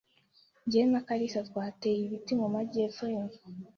Jye na kalisa twateye ibiti mu majyepfo yinzu.